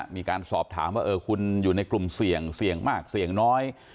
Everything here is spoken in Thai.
มีการสอบถามว่าคุณอยู่ในกลุ่มเสี่ยงเสี่ยงมากเสี่ยงน้อย